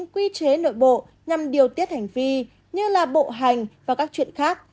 quy chế nội bộ nhằm điều tiết hành vi như là bộ hành và các chuyện khác